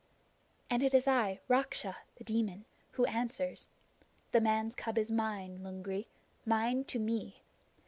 "And it is I, Raksha [The Demon], who answers. The man's cub is mine, Lungri mine to me!